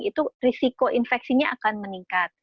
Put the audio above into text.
itu risiko infeksinya akan meningkat